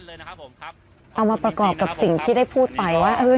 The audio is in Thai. เลยนะครับผมครับเอามาประกอบกับสิ่งที่ได้พูดไปว่าเออ